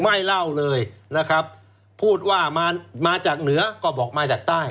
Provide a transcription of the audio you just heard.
เล่าเลยนะครับพูดว่ามามาจากเหนือก็บอกมาจากใต้